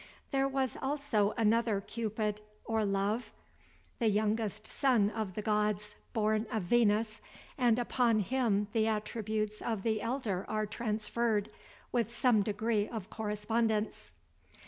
There was also another Cupid, or Love, the youngest son of the gods, born of Venus; and upon him the attributes of the elder are transferred, with some degree of correspondence.